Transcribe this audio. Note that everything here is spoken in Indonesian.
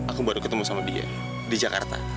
aku baru ketemu sama dia di jakarta